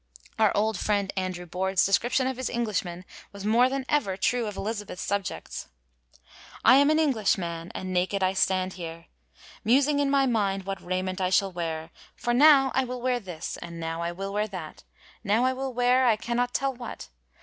Our old friend Andrew Borde's description of his Englishman was more than ever true of Elizabeth's subjects : 'I am an English man, and naked I stand here, Mosyng in my mynd what rayment I shal were ; For now I wyll were thys, and now I wyll were that ; Now I wyll were I cannot tel what.